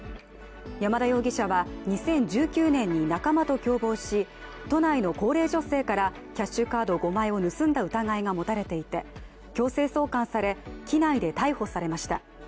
山田容疑者は、２０１９年に仲間と共謀し都内の高齢女性からキャッシュカード５枚を盗んだ疑いが持たれていて強制送還され、機内で逮捕されました。